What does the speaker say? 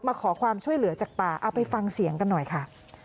มาขอความช่วยเหลือจากป่าเอาไปฟังเสียงกันหน่อยค่ะ